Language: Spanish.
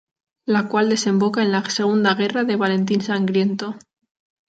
La cual desemboca en la Segunda guerra de Valentín Sangriento.